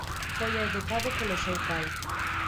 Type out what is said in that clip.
Foi educado polo seu pai.